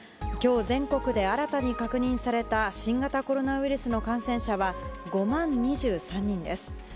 今日全国で新たに確認された新型コロナウイルスの感染者は５万２３人です。